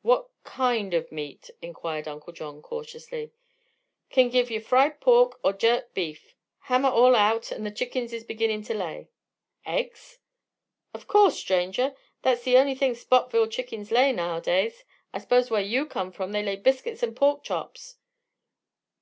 "What kind of meat?" inquired Uncle John, cautiously. "Kin give yeh fried pork er jerked beef. Ham 'a all out an' the chickens is beginnin' to lay." "Eggs?" "Of course, stranger. Thet's the on'y thing Spotville chickens lay, nowadays. I s'pose whar yeh come from they lay biscuits 'n' pork chops."